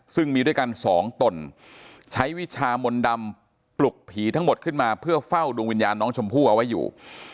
ซึ่งมีด้วยกันสองตนใช้วิชามนต์ดำปลุกผีทั้งหมดขึ้นมาเพื่อเฝ้าดวงวิญญาณน้องชมพู่เอาไว้อยู่